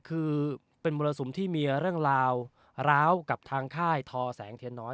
คือเป็นมรสุมที่มีเรื่องราวร้าวกับทางค่ายทอแสงเทียนน้อย